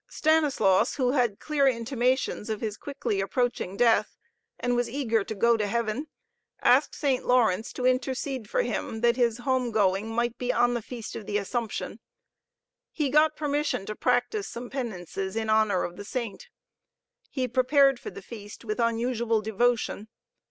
Stanislaus, who had clear intimations of his quickly approaching death, and was eager to go to heaven, asked Saint Lawrence to intercede for him that his home going might be on the Feast of the Assumption. He got permission to practice some penances in honor of the Saint. He prepared for the feast with unusual devotion.